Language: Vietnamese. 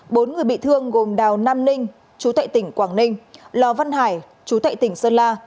bốn người bị thương gồm đào nam ninh chú tệ tỉnh quảng ninh lò văn hải chú tệ tỉnh sơn la